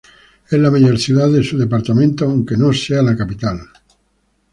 Es la mayor ciudad de su departamento aunque no es capital.